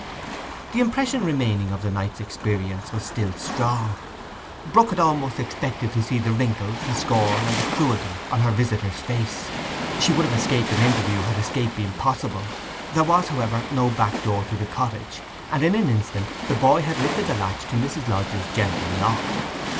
The impression remaining from the night's experience was still strong. Brook had almost expected to see the wrinkles, the scorn, and the cruelty on her visitor's face. She would have escaped an interview, had escape been possible. There was, however, no backdoor to the cottage, and in an instant the boy had lifted the latch to Mrs. Lodge's gentle knock.